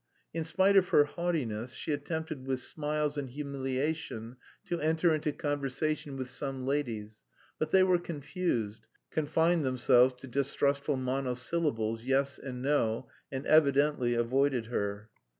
In spite of her haughtiness, she attempted with smiles and humiliation to enter into conversation with some ladies, but they were confused, confined themselves to distrustful monosyllables, "Yes" and "No," and evidently avoided her.